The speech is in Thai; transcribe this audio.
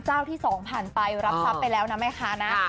ที่๒ผ่านไปรับทรัพย์ไปแล้วนะแม่ค้านะ